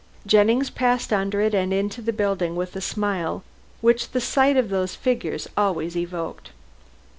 Jennings passed under it and into the building with a smile which the sight of those figures always evoked.